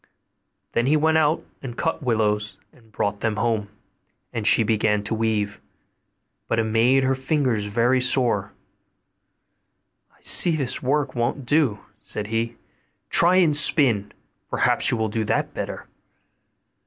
Then he went out and cut willows, and brought them home, and she began to weave; but it made her fingers very sore. 'I see this work won't do,' said he: 'try and spin; perhaps you will do that better.